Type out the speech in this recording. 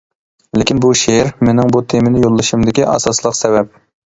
لېكىن بۇ شېئىر مېنىڭ بۇ تېمىنى يوللىشىمدىكى ئاساسلىق سەۋەب.